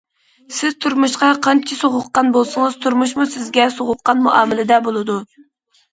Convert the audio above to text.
سىز تۇرمۇشقا قانچە سوغۇققان بولسىڭىز، تۇرمۇشمۇ سىزگە سوغۇققان مۇئامىلىدە بولىدۇ.